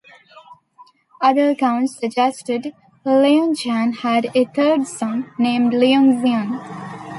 Other accounts suggested Leung Jan had a third son, named Leung Suen.